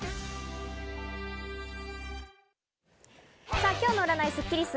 さぁ今日の占いスッキリす。